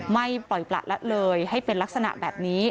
ไม่ปล่อยประละเลยให้เป็นลักษณะแบบนี้